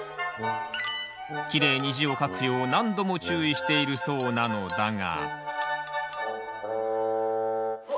きれいに字を書くよう何度も注意しているそうなのだが。